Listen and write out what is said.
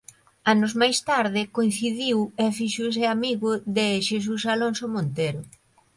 Anos máis tarde coincidiu e fíxose amigo de Xesús Alonso Montero.